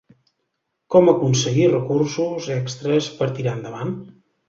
Com aconseguir recursos extres per tirar endavant?